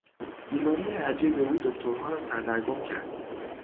بیماری عجیب او دکترها را سردرگم کرد.